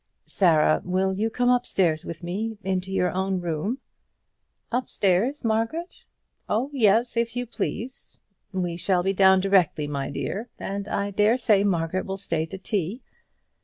"Sarah, will you come upstairs with me into your own room?" "Upstairs, Margaret? Oh yes, if you please. We shall be down directly, my dear, and I dare say Margaret will stay to tea.